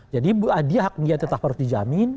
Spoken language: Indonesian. jadi dia hak niat tetap harus dijamin